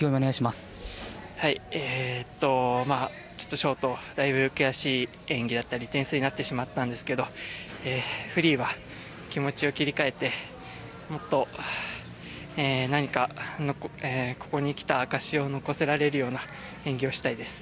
まあちょっとショートだいぶ悔しい演技だったり点数になってしまったんですけどフリーは気持ちを切り替えてもっと何かここに来た証しを残せられるような演技をしたいです。